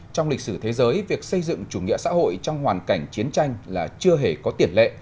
trong lịch sử thế giới việc xây dựng chủ nghĩa xã hội trong hoàn cảnh chiến tranh là chưa hề có tiền lệ